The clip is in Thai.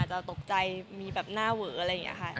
จะตกใจมีแบบหน้าเวออะไรอย่างนี้ค่ะ